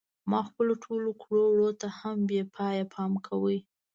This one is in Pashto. ما خپلو ټولو کړو وړو ته هم بې پایه پام کاوه.